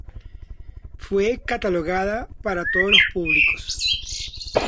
Fue catalogada para todos los públicos.